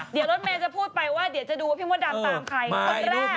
เดี๋ยวรถเมย์จะพูดไปว่าเดี๋ยวจะดูว่าพี่มดดำตามใครคนแรก